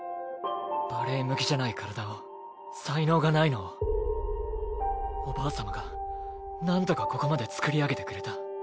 バレエ向きじゃない体を才能がないのをおばあ様がなんとかここまでつくり上げてくれた。